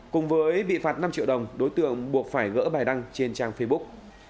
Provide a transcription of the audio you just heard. cùng với bị phạt năm triệu đồng đối tượng buộc phải gỡ bài đăng trên trang facebook